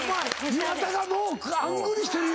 岩田がもうあんぐりしてるよ。